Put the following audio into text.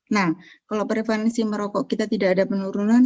nah kalau prevalensi merokok kita tidak ada penurunan